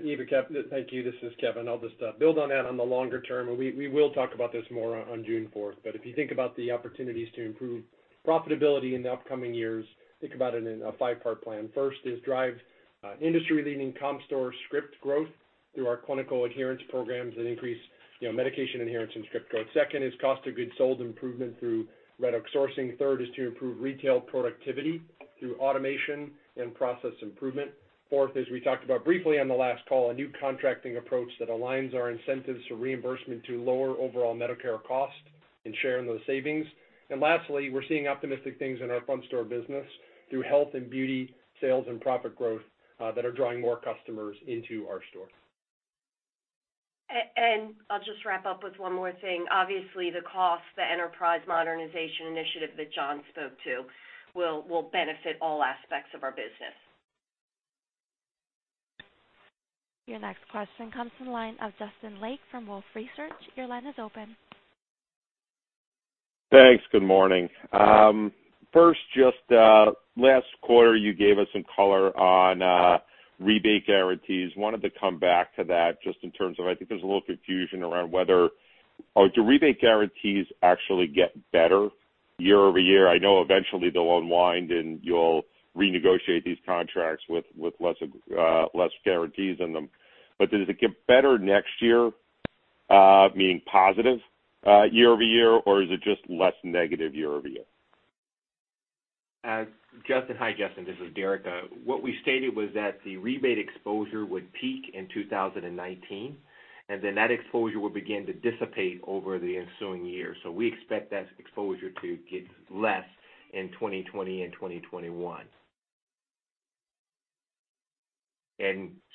Eva, Kevin. Thank you. This is Kevin. I'll just build on that on the longer term, and we will talk about this more on June 4th, but if you think about the opportunities to improve profitability in the upcoming years, think about it in a five-part plan. First is drive industry-leading comp store script growth through our clinical adherence programs that increase medication adherence and script growth. Second is cost of goods sold improvement through Red Oak Sourcing. Third is to improve retail productivity through automation and process improvement. Fourth, as we talked about briefly on the last call, a new contracting approach that aligns our incentives for reimbursement to lower overall Medicare costs and share in those savings. Lastly, we're seeing optimistic things in our front store business through health and beauty sales and profit growth that are drawing more customers into our stores. I'll just wrap up with one more thing. Obviously, the cost, the enterprise modernization initiative that Jon spoke to, will benefit all aspects of our business. Your next question comes from the line of Justin Lake from Wolfe Research. Your line is open. Thanks. Good morning. First, just last quarter, you gave us some color on rebate guarantees. Wanted to come back to that just in terms of, I think there's a little confusion around whether do rebate guarantees actually get better year-over-year? I know eventually they'll unwind, and you'll renegotiate these contracts with less guarantees in them. Does it get better next year, meaning positive year-over-year, or is it just less negative year-over-year? Justin. Hi, Justin. This is Derica. What we stated was that the rebate exposure would peak in 2019, then that exposure would begin to dissipate over the ensuing years. We expect that exposure to get less in 2020 and 2021.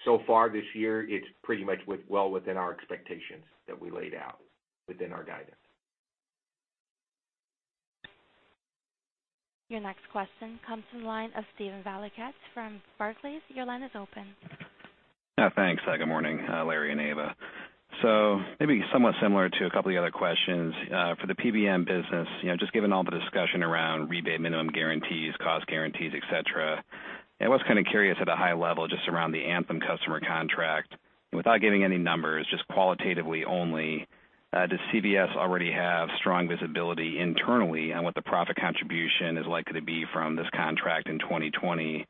So far this year, it's pretty much well within our expectations that we laid out within our guidance. Your next question comes from the line of Steven Valiquette from Barclays. Your line is open. Thanks. Good morning, Larry and Eva. Maybe somewhat similar to a couple of the other questions. For the PBM business, just given all the discussion around rebate minimum guarantees, cost guarantees, et cetera, I was kind of curious at a high level just around the Anthem customer contract, without giving any numbers, just qualitatively only, does CVS already have strong visibility internally on what the profit contribution is likely to be from this contract in 2020?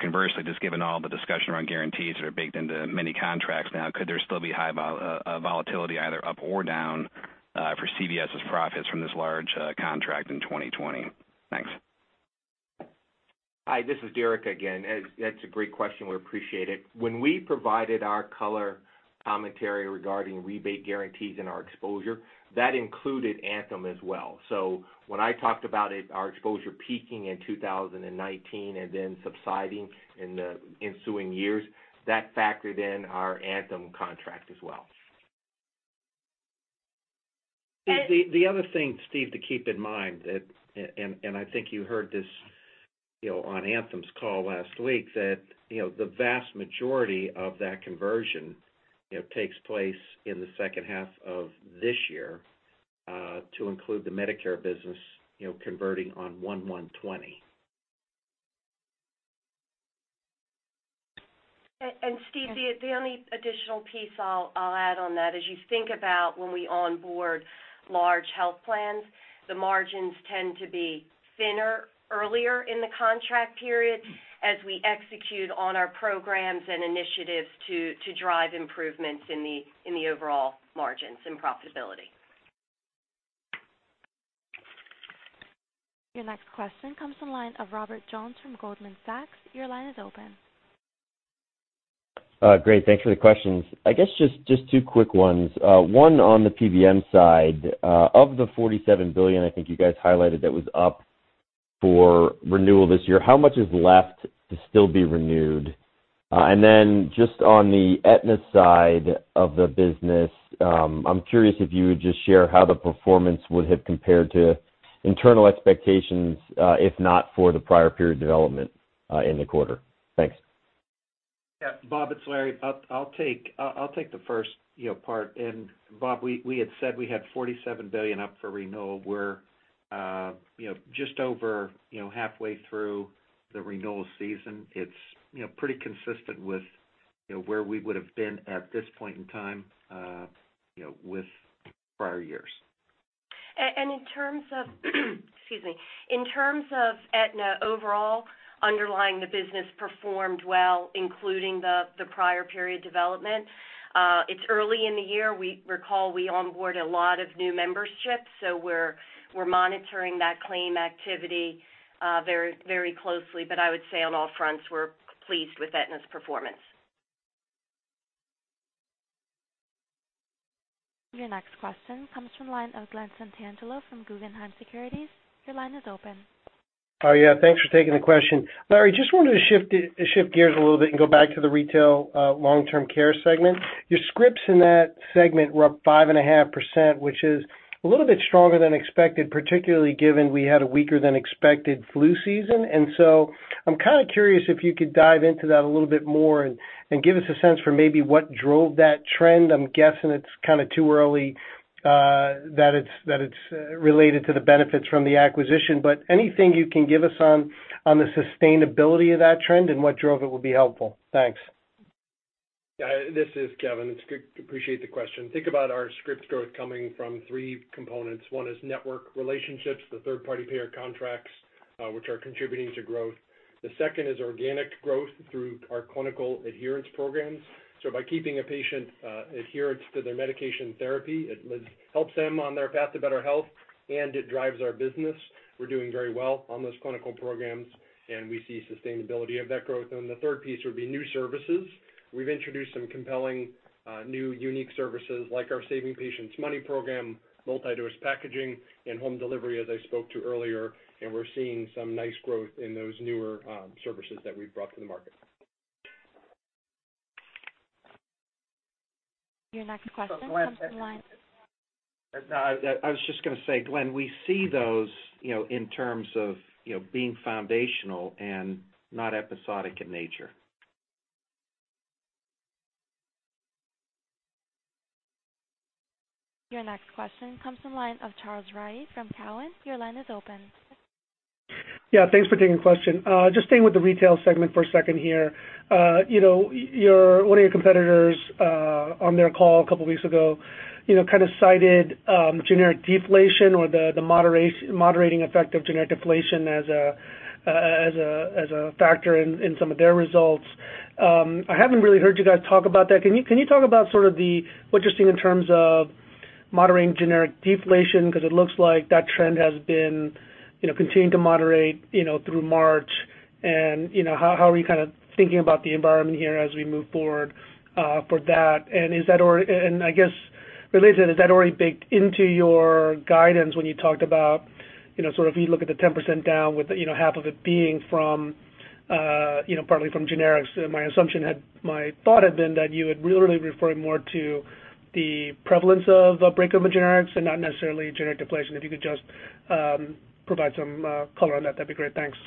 Conversely, just given all the discussion around guarantees that are baked into many contracts now, could there still be high volatility, either up or down, for CVS's profits from this large contract in 2020? Thanks. Hi, this is Derica again. That's a great question. We appreciate it. When we provided our color commentary regarding rebate guarantees and our exposure, that included Anthem as well. When I talked about our exposure peaking in 2019 and then subsiding in the ensuing years, that factored in our Anthem contract as well. The other thing, Steve, to keep in mind, I think you heard this on Anthem's call last week, that the vast majority of that conversion takes place in the second half of this year to include the Medicare business converting on 1/1/2020. Steve, the only additional piece I'll add on that, as you think about when we onboard large health plans, the margins tend to be thinner earlier in the contract period as we execute on our programs and initiatives to drive improvements in the overall margins and profitability. Your next question comes from the line of Robert Jones from Goldman Sachs. Your line is open. Great. Thanks for the questions. I guess just two quick ones. One on the PBM side. Of the $47 billion I think you guys highlighted that was up for renewal this year, how much is left to still be renewed? Then just on the Aetna side of the business, I'm curious if you would just share how the performance would have compared to internal expectations, if not for the prior period development in the quarter. Thanks. Bob, it's Larry. I'll take the first part. Bob, we had said we had $47 billion up for renewal. We're just over halfway through the renewal season. It's pretty consistent with where we would've been at this point in time with prior years. In terms of, excuse me, in terms of Aetna overall Underlying the business performed well, including the prior period development. It's early in the year. Recall, we onboard a lot of new memberships, so we're monitoring that claim activity very closely. I would say on all fronts, we're pleased with Aetna's performance. Your next question comes from the line of Glen Santangelo from Guggenheim Securities. Your line is open. Yeah. Thanks for taking the question. Larry, just wanted to shift gears a little bit and go back to the Retail/LTC segment. Your scripts in that segment were up 5.5%, which is a little bit stronger than expected, particularly given we had a weaker than expected flu season. I'm kind of curious if you could dive into that a little bit more and give us a sense for maybe what drove that trend. I'm guessing it's kind of too early that it's related to the benefits from the acquisition, but anything you can give us on the sustainability of that trend and what drove it would be helpful. Thanks. This is Kevin. Appreciate the question. I think about our script growth coming from three components. One is network relationships, the third-party payer contracts, which are contributing to growth. The second is organic growth through our clinical adherence programs. By keeping a patient adherent to their medication therapy, it helps them on their path to better health, and it drives our business. We're doing very well on those clinical programs, and we see sustainability of that growth. The third piece would be new services. We've introduced some compelling new unique services like our Saving Patients Money program, multi-dose packaging, and home delivery, as I spoke to earlier, and we're seeing some nice growth in those newer services that we've brought to the market. Your next question comes from line- I was just going to say, Glen, we see those in terms of being foundational and not episodic in nature. Your next question comes from the line of Charles Rhyee from Cowen. Your line is open. Yeah. Thanks for taking the question. Just staying with the retail segment for a second here. One of your competitors on their call a couple of weeks ago cited generic deflation or the moderating effect of generic deflation as a factor in some of their results. I haven't really heard you guys talk about that. Can you talk about what you're seeing in terms of moderating generic deflation? Because it looks like that trend has been continuing to moderate through March, and how are you thinking about the environment here as we move forward for that? I guess related, is that already baked into your guidance when you talked about if you look at the 10% down with half of it being partly from generics? My thought had been that you had really referred more to the prevalence of break open generics and not necessarily generic deflation. If you could just provide some color on that'd be great. Thanks.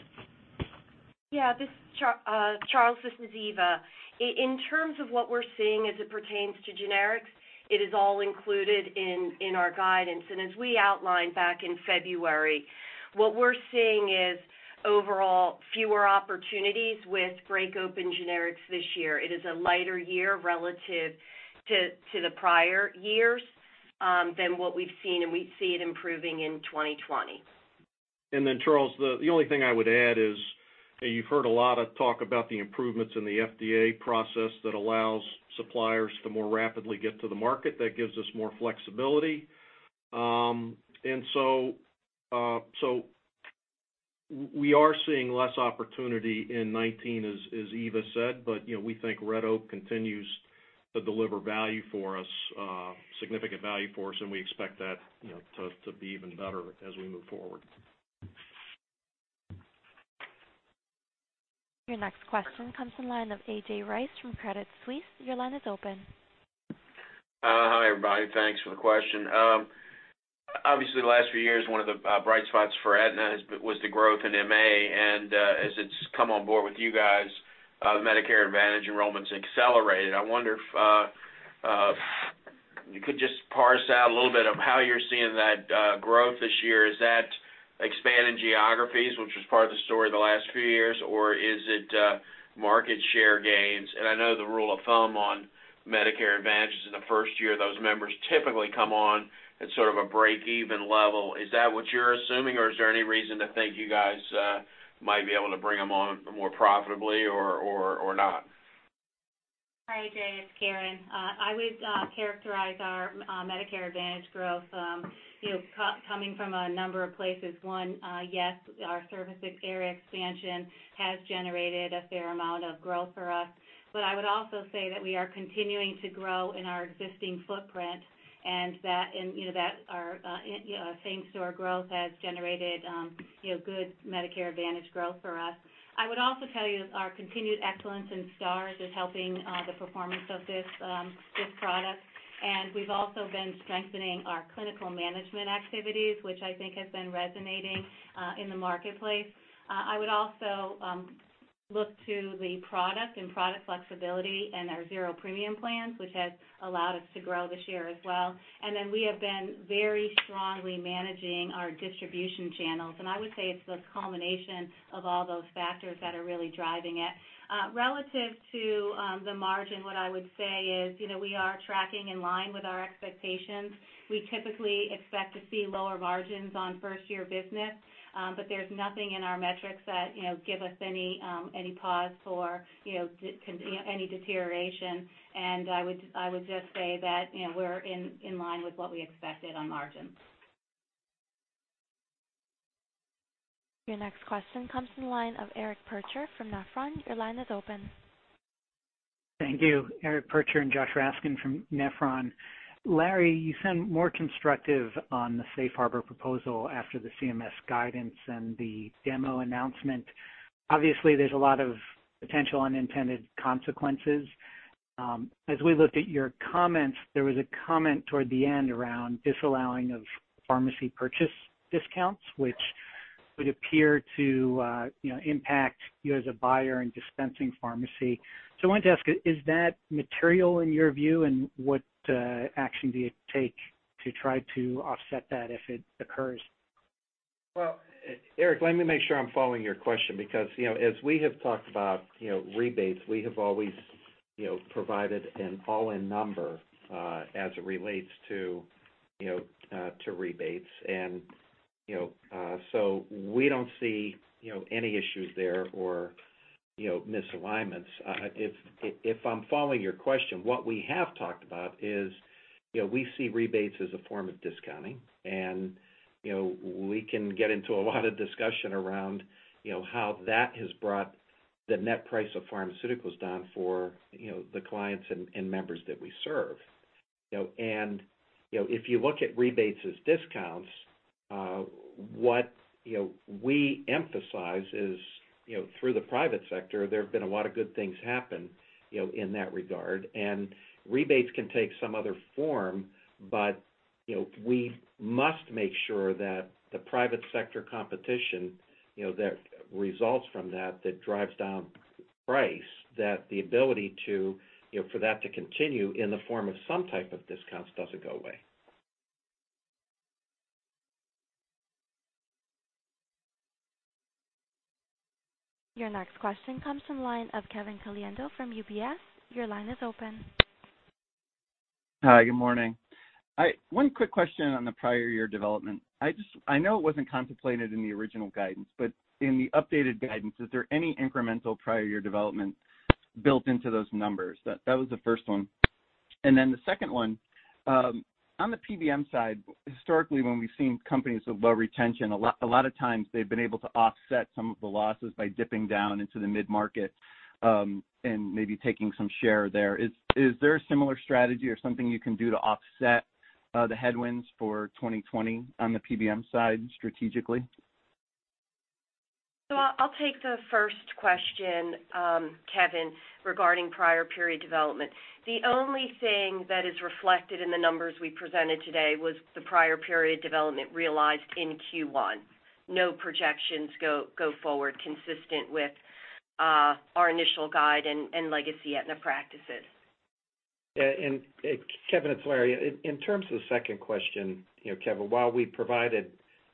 Charles, this is Eva. In terms of what we're seeing as it pertains to generics, it is all included in our guidance. As we outlined back in February, what we're seeing is overall fewer opportunities with break open generics this year. It is a lighter year relative to the prior years than what we've seen, and we see it improving in 2020. Charles, the only thing I would add is you've heard a lot of talk about the improvements in the FDA process that allows suppliers to more rapidly get to the market. That gives us more flexibility. We are seeing less opportunity in 2019, as Eva said, but we think Red Oak continues to deliver significant value for us, and we expect that to be even better as we move forward. Your next question comes from the line of A.J. Rice from Credit Suisse. Your line is open. Hi, everybody. Thanks for the question. Obviously, the last few years, one of the bright spots for Aetna was the growth in MA, and as it's come on board with you guys, Medicare Advantage enrollment's accelerated. I wonder if you could just parse out a little bit of how you're seeing that growth this year. Is that expanding geographies, which was part of the story the last few years, or is it market share gains? I know the rule of thumb on Medicare Advantage is in the first year, those members typically come on at sort of a break-even level. Is that what you're assuming, or is there any reason to think you guys might be able to bring them on more profitably or not? Hi, A.J., it's Karen. I would characterize our Medicare Advantage growth coming from a number of places. One, yes, our service area expansion has generated a fair amount of growth for us. I would also say that we are continuing to grow in our existing footprint, and that thanks to our growth, has generated good Medicare Advantage growth for us. I would also tell you our continued excellence in Stars is helping the performance of this product, and we've also been strengthening our clinical management activities, which I think has been resonating in the marketplace. I would also look to the product and product flexibility and our zero premium plans, which has allowed us to grow this year as well. We have been very strongly managing our distribution channels, and I would say it's the culmination of all those factors that are really driving it. Relative to the margin, what I would say is we are tracking in line with our expectations. We typically expect to see lower margins on first-year business, there's nothing in our metrics that give us any pause for any deterioration, I would just say that we're in line with what we expected on margins. Your next question comes from the line of Eric Percher from Nephron. Your line is open. Thank you. Eric Percher and Josh Raskin from Nephron. Larry, you sound more constructive on the safe harbor proposal after the CMS guidance and the demo announcement. Obviously, there's a lot of potential unintended consequences. As we looked at your comments, there was a comment toward the end around disallowing of pharmacy purchase discounts, which would appear to impact you as a buyer and dispensing pharmacy. I wanted to ask, is that material in your view, and what action do you take to try to offset that if it occurs? Well, Eric, let me make sure I'm following your question because, as we have talked about rebates, we have always provided an all-in number, as it relates to rebates. We don't see any issues there or misalignments. If I'm following your question, what we have talked about is, we see rebates as a form of discounting, and we can get into a lot of discussion around how that has brought the net price of pharmaceuticals down for the clients and members that we serve. If you look at rebates as discounts, what we emphasize is through the private sector, there have been a lot of good things happen in that regard. Rebates can take some other form, but we must make sure that the private sector competition that results from that drives down price, that the ability for that to continue in the form of some type of discounts doesn't go away. Your next question comes from the line of Kevin Caliendo from UBS. Your line is open. Hi, good morning. One quick question on the prior year development. I know it wasn't contemplated in the original guidance, but in the updated guidance, is there any incremental prior year development built into those numbers? That was the first one. Then the second one, on the PBM side, historically when we've seen companies with low retention, a lot of times they've been able to offset some of the losses by dipping down into the mid-market, and maybe taking some share there. Is there a similar strategy or something you can do to offset the headwinds for 2020 on the PBM side strategically? I'll take the first question, Kevin, regarding prior period development. The only thing that is reflected in the numbers we presented today was the prior period development realized in Q1. No projections go forward consistent with our initial guide and legacy Aetna practices. Yeah, Kevin, it's Larry. In terms of the second question, Kevin, while we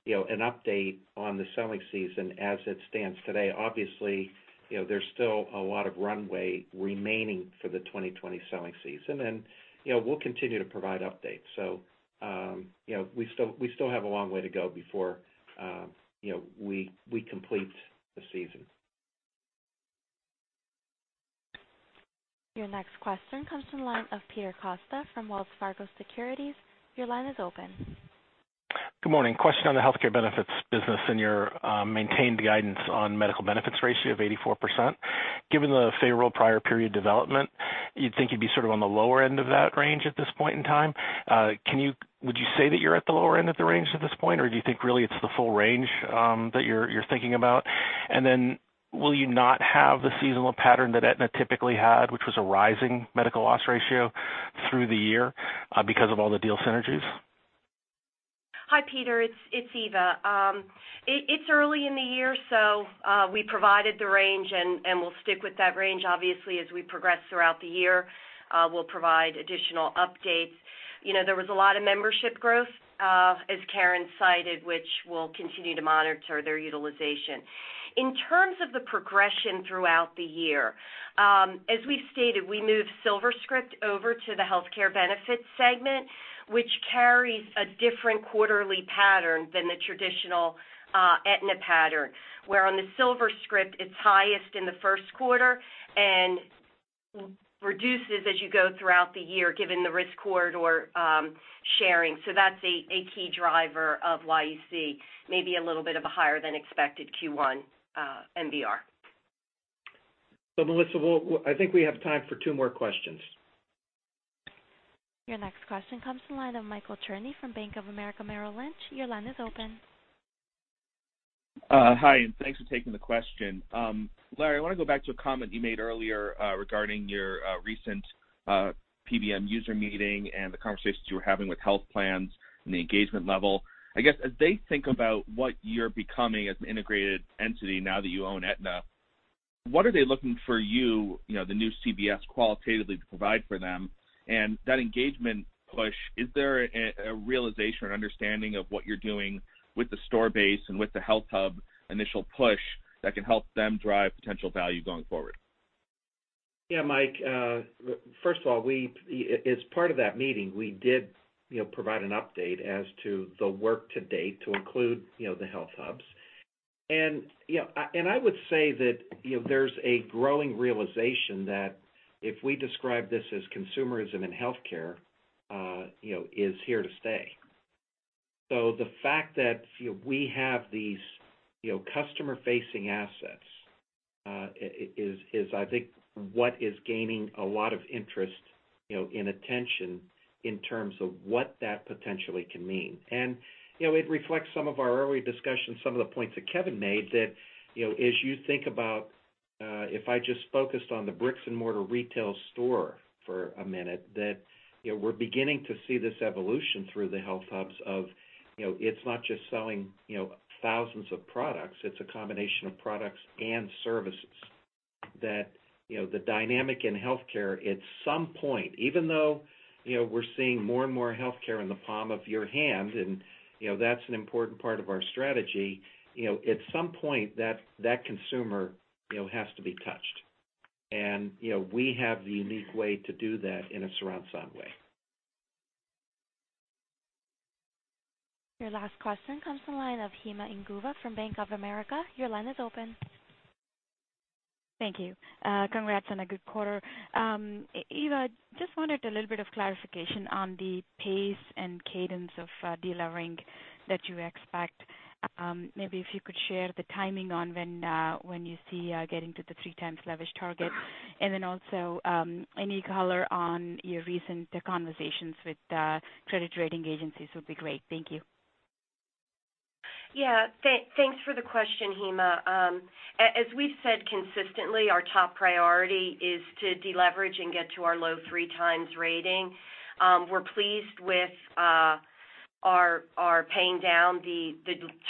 provided an update on the selling season as it stands today, obviously, there's still a lot of runway remaining for the 2020 selling season. We'll continue to provide updates. We still have a long way to go before we complete the season. Your next question comes from the line of Peter Costa from Wells Fargo Securities. Your line is open. Good morning. Question on the Health Care Benefits business and your maintained guidance on medical benefits ratio of 84%. Given the favorable prior period development, you'd think you'd be sort of on the lower end of that range at this point in time. Would you say that you're at the lower end of the range at this point, or do you think really it's the full range, that you're thinking about? Then will you not have the seasonal pattern that Aetna typically had, which was a rising medical loss ratio through the year because of all the deal synergies? Hi, Peter. It's Eva. It's early in the year, we provided the range and we'll stick with that range. Obviously, as we progress throughout the year, we'll provide additional updates. There was a lot of membership growth, as Karen cited, which we'll continue to monitor their utilization. In terms of the progression throughout the year, as we've stated, we moved SilverScript over to the Health Care Benefits segment, which carries a different quarterly pattern than the traditional Aetna pattern, where on the SilverScript, it's highest in the Q1 and reduces as you go throughout the year given the risk corridor sharing. That's a key driver of why you see maybe a little bit of a higher than expected Q1 MBR. Melissa, I think we have time for two more questions. Your next question comes from the line of Michael Cherny from Bank of America Merrill Lynch. Your line is open. Hi. Thanks for taking the question. Larry, I want to go back to a comment you made earlier, regarding your recent PBM user meeting and the conversations you were having with health plans and the engagement level. I guess as they think about what you're becoming as an integrated entity now that you own Aetna, what are they looking for you, the new CVS qualitatively to provide for them? That engagement push, is there a realization or understanding of what you're doing with the store base and with the HealthHUB initial push that can help them drive potential value going forward? Yeah, Mike. First of all, as part of that meeting, we did provide an update as to the work to date to include the HealthHUBs. I would say that there's a growing realization that if we describe this as consumerism in healthcare is here to stay. The fact that we have these customer-facing assets is, I think, what is gaining a lot of interest and attention in terms of what that potentially can mean. It reflects some of our early discussions, some of the points that Kevin made, that as you think about, if I just focused on the bricks-and-mortar retail store for a minute, that we're beginning to see this evolution through the HealthHUBs of, it's not just selling thousands of products, it's a combination of products and services that the dynamic in healthcare at some point, even though we're seeing more and more healthcare in the palm of your hand, that's an important part of our strategy, at some point, that consumer has to be touched. We have the unique way to do that in a surround sound way. Your last question comes from the line of Hema Ingalla from Bank of America. Your line is open. Thank you. Congrats on a good quarter. Eva, just wanted a little bit of clarification on the pace and cadence of delevering that you expect. Maybe if you could share the timing on when you see getting to the 3x leverage target, then also, any color on your recent conversations with credit rating agencies would be great. Thank you. Thanks for the question, Hema. As we've said consistently, our top priority is to deleverage and get to our low 3x rating. We're pleased with our paying down the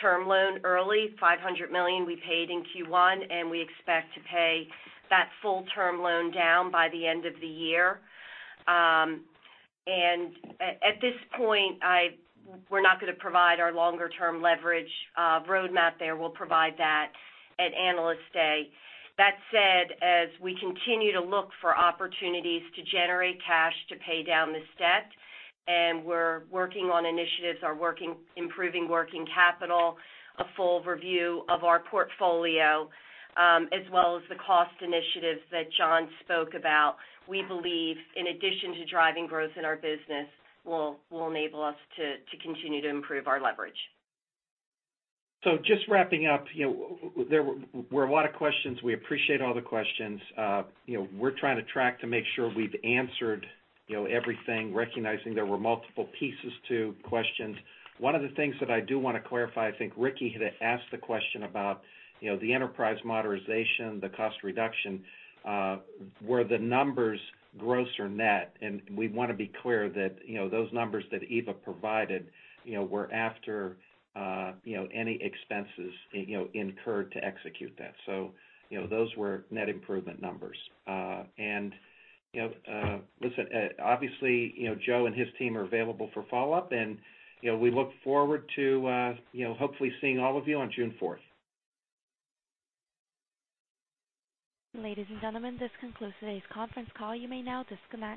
term loan early, $500 million we paid in Q1, and we expect to pay that full-term loan down by the end of the year. At this point, we're not going to provide our longer-term leverage roadmap there. We'll provide that at Analyst Day. That said, as we continue to look for opportunities to generate cash to pay down this debt, and we're working on initiatives, are improving working capital, a full review of our portfolio, as well as the cost initiatives that Jon spoke about. We believe in addition to driving growth in our business, will enable us to continue to improve our leverage. Just wrapping up, there were a lot of questions. We appreciate all the questions. We're trying to track to make sure we've answered everything, recognizing there were multiple pieces to questions. One of the things that I do want to clarify, I think Ricky had asked the question about the enterprise modernization, the cost reduction, were the numbers gross or net? We want to be clear that those numbers that Eva provided were after any expenses incurred to execute that. Those were net improvement numbers. Listen, obviously, Joe and his team are available for follow-up, and we look forward to hopefully seeing all of you on June 4th. Ladies and gentlemen, this concludes today's conference call. You may now disconnect.